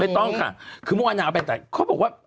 ไม่ต้องค่ะคือมั้งไอ้พี่มนุษย์เขาบอกว่า